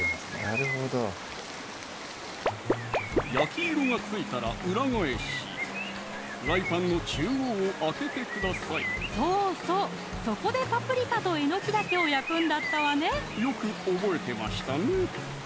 なるほど焼き色がついたら裏返しフライパンの中央を空けてくださいそうそうそこでパプリカとえのきだけを焼くんだったわねよく覚えてましたね